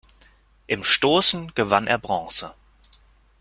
Im Stoßen gewann er Bronze.